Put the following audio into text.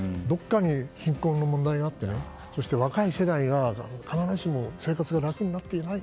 貧困の問題があってそして、若い世代が必ずしも生活が楽になっていない